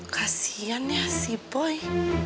kasian ya si boy